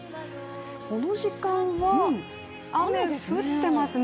この時間は、雨降ってますね。